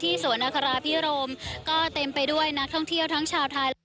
สวนอัคราพิรมก็เต็มไปด้วยนักท่องเที่ยวทั้งชาวไทย